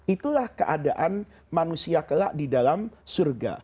itulah keadaan manusia kelak di dalam surga